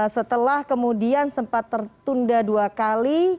setelah kemudian sempat tertunda dua kali